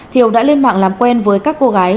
thiều đã lên mạng làm quen với các cô gái